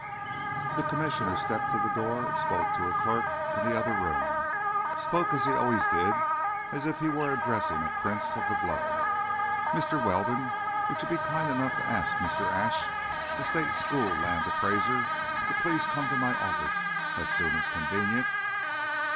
The Commissioner stepped to the door and spoke to a clerk in the other room—spoke as he always did, as if he were addressing a prince of the blood: "Mr. Weldon, will you be kind enough to ask Mr. Ashe, the state school land appraiser, to please come to my office as soon as convenient?"